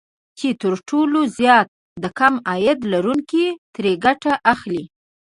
چې تر ټولو زيات د کم عاید لرونکي ترې ګټه اخلي